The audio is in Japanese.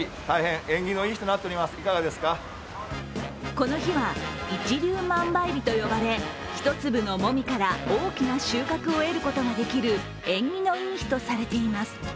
この日は、一粒万倍日と呼ばれ一粒のもみから大きな収穫を得ることができる縁起のいい日とされています。